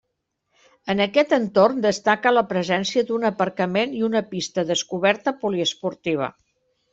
En aquest entorn destaca la presència d'un aparcament i una pista descoberta poliesportiva.